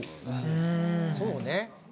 そうね。